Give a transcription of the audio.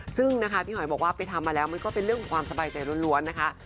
ซึ่งนะคะพี่หอยบอกว่าไปทำมาแล้วมันก็เป็นเรื่องของความสบายใจล้วนนะคะ